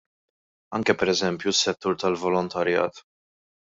Anke pereżempju s-settur tal-volontarjat.